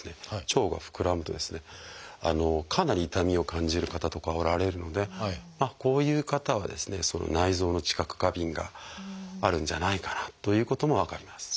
腸が膨らむとですねかなり痛みを感じる方とかはおられるのでこういう方はですね内臓の知覚過敏があるんじゃないかなということも分かります。